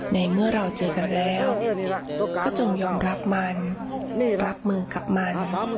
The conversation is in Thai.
ในเมื่อเราเจอกันแล้วก็จงยอมรับมันไม่รับมือกับมัน